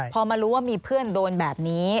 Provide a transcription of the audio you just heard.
พอมารู้ว่ามีเพื่อนโดนแบบนี้